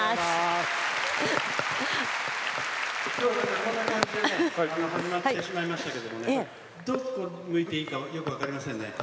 こんな感じで始まってしまいましたけどどこ向いていいかよく分かりませんね。